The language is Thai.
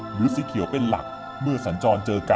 หรือสีเขียวเป็นหลัก